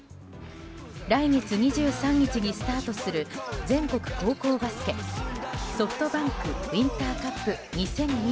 来月２３日にスタートする全国高校バスケＳｏｆｔＢａｎｋウインターカップ２０２２。